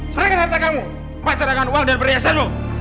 serahkan haritamu masalahkan uang dan perhiasanmu